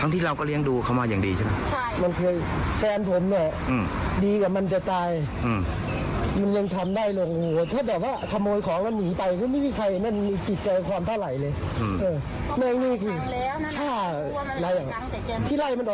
แต่แฟนผมแบบใจดีก็เลย